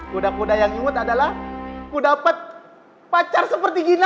kuda kuda yang imut adalah budapest pacar seperti gina